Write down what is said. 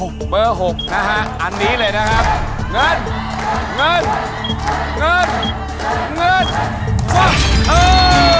เบอร์๖นะฮะอันนี้เลยนะครับเงินเงินเงินกว่าเธอ